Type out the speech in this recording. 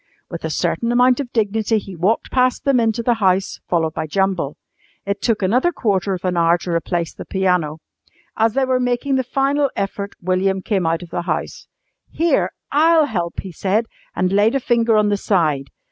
With a certain amount of dignity he walked past them into the house followed by Jumble. It took another quarter of an hour to replace the piano. As they were making the final effort William came out of the house. "Here, I'll help!" he said, and laid a finger on the side.